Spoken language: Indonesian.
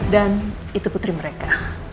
dan itu putri mereka